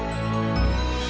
kok lama banget